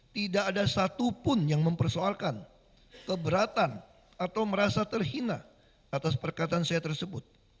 tidak ada satupun yang mempersoalkan keberatan atau merasa terhina atas perkataan saya tersebut